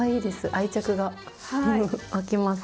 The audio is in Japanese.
愛着が湧きます。